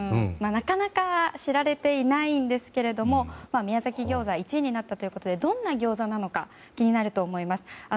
なかなか知られていないんですけれども宮崎ギョーザが１位になったということでどんなギョーザなのか気になると思います。